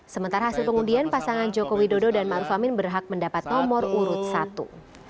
sementara hasil pengundian pasangan joko widodo dan ma'ruf amin berhak mendapat nomor urut satu